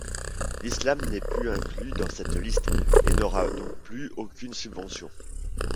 L'Islam n'est pas inclus dans cette liste et n'aura donc plus aucune subvention.